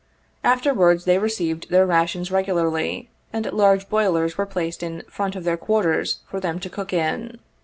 Afterwards they received their rations regularly, and large boilers were placed in front of their quarters for them to cook in.